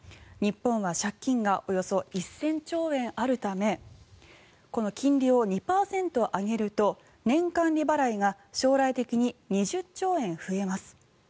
日本は借金がおよそ１０００兆円あるためこの金利を２％上げると年間利払いが将来的に２０兆円増えます。